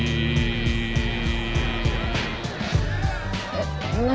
えっ何？